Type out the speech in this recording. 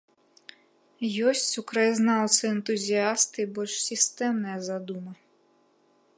Ёсць у краязнаўца-энтузіяста і больш сістэмная задума.